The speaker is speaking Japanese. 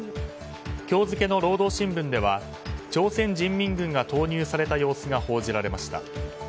今日付の労働新聞では朝鮮人民軍が投入された様子が報じられました。